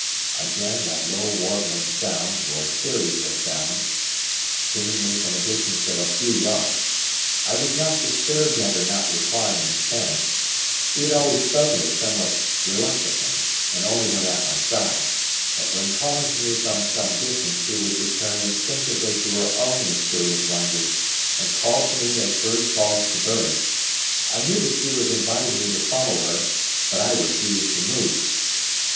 Again that low, warbling sound, or series of sounds, seemingly from a distance of a few yards. I was not disturbed at her not replying in Spanish: she had always spoken it somewhat reluctantly, and only when at my side; but when calling to me from some distance she would return instinctively to her own mysterious language, and call to me as bird calls to bird. I knew that she was inviting me to follow her, but I refused to move.